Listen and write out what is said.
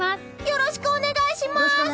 よろしくお願いします！